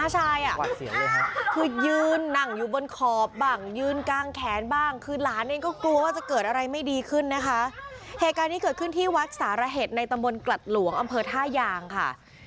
เหตุการณ์นี้เกิดขึ้นที่วัดสารเหตุในตำบลกลัดหลวงอำเภอท่ายางค่ะ